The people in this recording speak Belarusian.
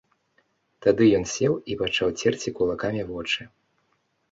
Тады ён сеў і пачаў церці кулакамі вочы.